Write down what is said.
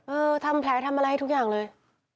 ทำแผลทำอะไรให้ทุกอย่างเลย